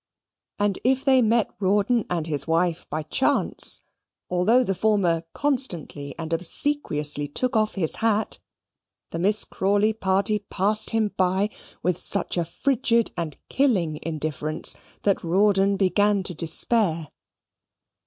And if they met Rawdon and his wife by chance although the former constantly and obsequiously took off his hat, the Miss Crawley party passed him by with such a frigid and killing indifference, that Rawdon began to despair.